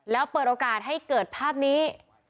แล้วเปิดโอกาสให้เกิดภาพนี้